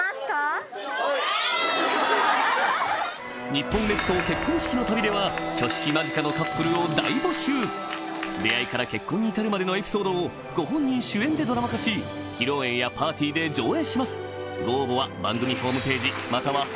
日本列島結婚式の旅では挙式間近のカップルを大募集出会いから結婚に至るまでのエピソードをご本人主演でドラマ化し披露宴やパーティーで上映します